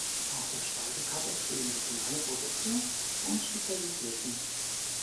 Auf der Speisekarte stehen regionale Produkte und Spezialitäten.